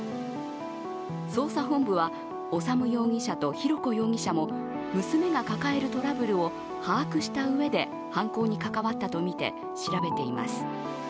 捜査本部は修容疑者と浩子容疑者も娘が抱えるトラブルを把握したうえで、犯行に関わったとみて、調べています。